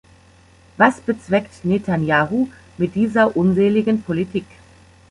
Was bezweckt Nethanjahu mit dieser unseligen Politik?